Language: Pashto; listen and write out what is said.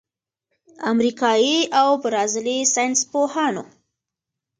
امریکايي او برازیلي ساینسپوهانو